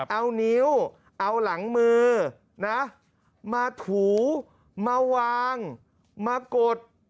เอานิ้วเอาหลังมือนะมาถูมาวางมากด